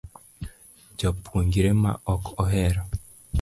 Japuonjre ma ok ohero